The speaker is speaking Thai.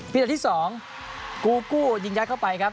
พี่เดิดที่๒กูกู้ยิงยัดเข้าไปครับ